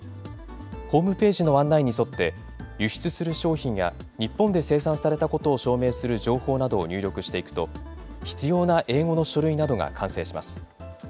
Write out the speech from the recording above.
ホームページの案内に沿って、輸出する商品や日本で生産されたことを証明する情報などを入力していくと、必要な英語の書類などが完成します。